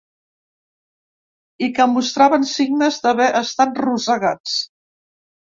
I que mostraven signes d’haver estat rosegats.